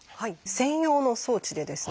専用の装置でですね